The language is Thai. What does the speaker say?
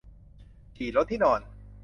ฉี่รดที่นอน